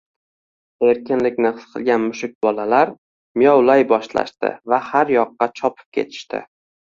Erkinlikni his qilgan mushukbolalar miyovlay boshlashdi va har yoqqa chopib ketishdi